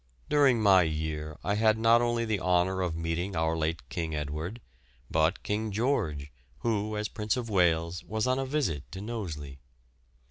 During my year I had not only the honour of meeting our late King Edward, but King George, who, as Prince of Wales, was on a visit to Knowsley.